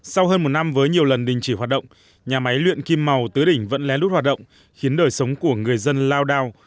sau hơn một năm với nhiều lần đình chỉ hoạt động nhà máy luyện kim màu tứ đỉnh vẫn lén lút hoạt động khiến đời sống của người dân lao đao